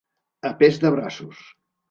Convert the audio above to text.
A pes de braços.